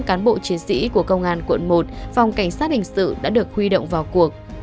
hai trăm linh cán bộ chiến sĩ của công an quận một phòng cảnh sát hình sự đã được huy động vào cuộc